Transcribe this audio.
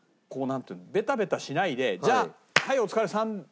ベタベタしないで「じゃあはい！お疲れさん」。